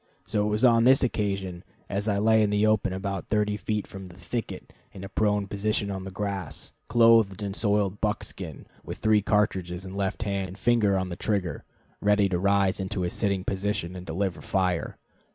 So it was on this occasion, as I lay in the open about thirty feet from the thicket, in a prone position in the grass, clothed in soiled buckskin, with three cartridges in left hand and finger on trigger, ready to rise into a sitting position and deliver fire.